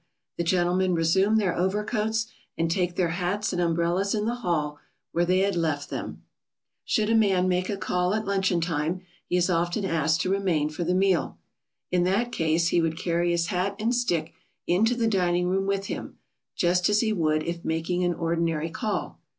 The gentlemen resume their overcoats and take their hats and umbrellas in the hall, where they had left them. [Sidenote: Making calls at luncheon time.] Should a man make a call at luncheon time, he is often asked to remain for the meal. In that case he would carry his hat and stick into the dining room with him, just as he would if making an ordinary call.